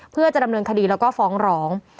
เพื่อจะดำเนินคดีแล้วก็ฟ้องร้อง